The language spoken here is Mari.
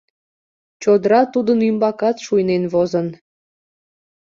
Чодыра тудын ӱмбакат шуйнен возын.